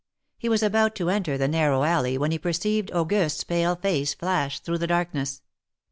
He was about to enter the narrow alley when he perceived Auguste^s pale face flash through the darkness.